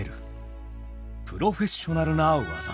プロフェッショナルな技。